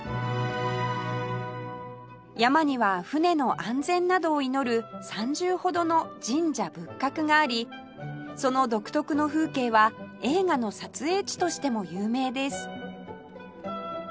山には船の安全などを祈る３０ほどの神社仏閣がありその独特の風景は映画の撮影地としても有名です